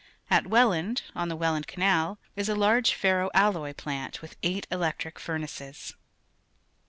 At Wetland, on the AYellan^d Canal, is a lai'ge ferro alloy plant with eight elec tric furnaces.